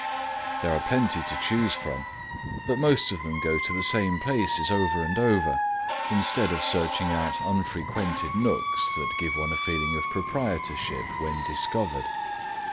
There are plenty to choose from, but most of them go to the same places over and over, instead of searching out unfrequented nooks that give one a feeling of proprietorship when discovered.